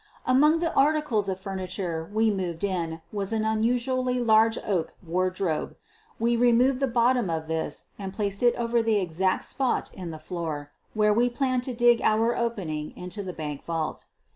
Among the articles of furniture we moved in was an unusually large oak wardrobe. We removed the bottom from this and placed it over the exact spot in the floor where we planned to dig our opening into the bank vault.